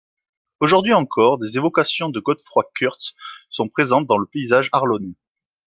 Aujourd’hui encore, des évocations de Godefroid Kurth sont présentes dans le paysage arlonais.